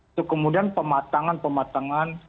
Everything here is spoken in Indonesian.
itu kemudian pematangan pematangan